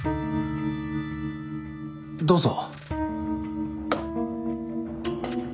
どうぞ。